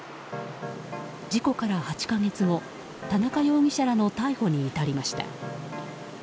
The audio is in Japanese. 事故から８か月後田中容疑者らの逮捕に至りました。